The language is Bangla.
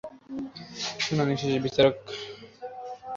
শুনানি শেষে বিচারক কারাফটকে জিজ্ঞাসাবাদ এবং জামিন আবেদন নাকচ করে দেন।